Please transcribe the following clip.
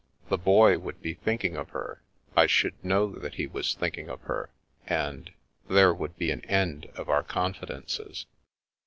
The Boy would be thinking of her; I should know that he was think ing of her, and — ^there would be an end of our con fidences.